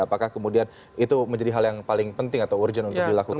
apakah kemudian itu menjadi hal yang paling penting atau urgent untuk dilakukan